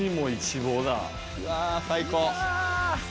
うわ最高！